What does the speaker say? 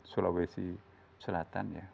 sulawesi selatan ya